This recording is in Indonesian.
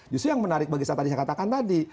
justru yang menarik bagi saya tadi saya katakan tadi